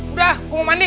udah aku mau mandi